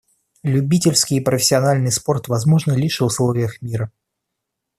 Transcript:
Любительский и профессиональный спорт возможны лишь в условиях мира.